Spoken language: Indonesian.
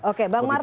oke bang martin